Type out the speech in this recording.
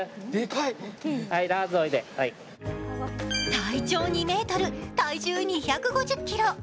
体長２ｍ、体重２５０ｋｇ。